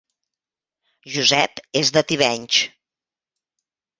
Josep és de Tivenys